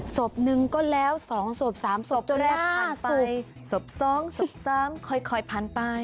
ศพนึงก็แล้ว๒ศพ๓ศพ๑ศพ๒ศพ๓ค่อยผ่านไป